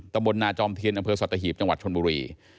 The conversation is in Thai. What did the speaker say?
ตมนต์นาจอมเทียนอำเภอสัตว์ตะหีบจังหวัดชนบุรี